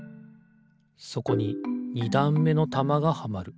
そこに２だんめのたまがはまる。